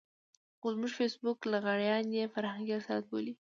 خو زموږ فېسبوکي لغړيان يې فرهنګي رسالت بولي.